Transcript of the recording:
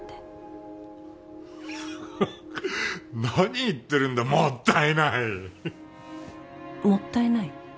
何言ってるんだもったいないもったいない？